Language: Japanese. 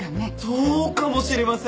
そうかもしれません！